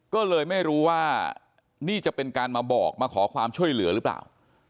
ก็เลยไม่รู้ว่านี่จะเป็นการมาบอกมาขอความช่วยเหลือหรือเปล่า